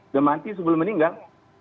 udah mati sebelum meninggal